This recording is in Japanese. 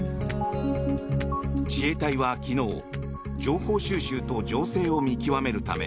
自衛隊は昨日情報収集と情勢を見極めるため